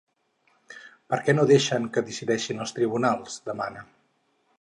Per què no deixen que decideixin els tribunals?, demana.